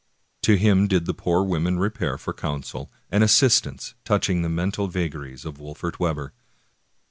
^ To him did the poor women repair for counsel and assist ance touching the mental vagaries of Wolfert Webber.